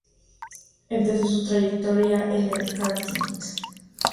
Empezó su trayectoria en el karting.